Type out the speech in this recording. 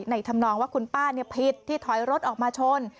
ทำนองว่าคุณป้าผิดที่ถอยรถออกมาชน